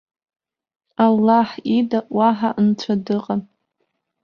Аллаҳ ида уаҳа нцәа дыҟам!